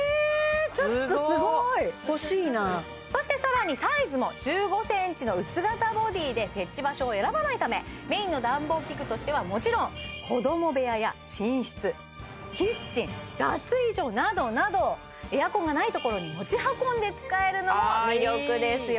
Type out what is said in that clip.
ちょっとすごいすごそして更にサイズもで設置場所を選ばないためメインの暖房器具としてはもちろん子供部屋や寝室キッチン脱衣所などなどエアコンがないところに持ち運んで使えるのも魅力ですよ